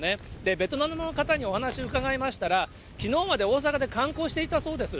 ベトナムの方にお話伺いましたら、きのうまで大阪で観光していたそうです。